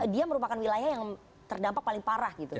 dia merupakan wilayah yang terdampak paling parah gitu